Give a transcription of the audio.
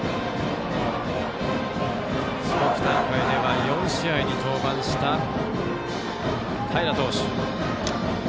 四国大会では４試合に登板した平投手。